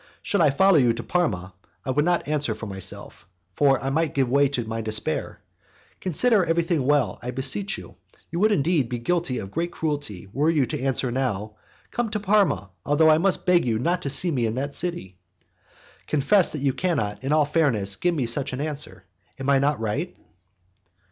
Should I follow you to Parma, I would not answer for myself, for I might give way to my despair. Consider everything well, I beseech you; you would indeed be guilty of great cruelty, were you to answer now: 'Come to Parma, although I must beg of you not to see me in that city.' Confess that you cannot, in all fairness, give me such an answer; am I not right?"